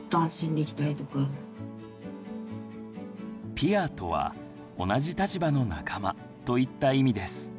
「ピア」とは同じ立場の仲間といった意味です。